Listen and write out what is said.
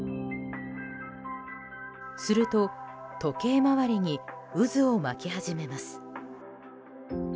すると、時計回りに渦を巻き始めます。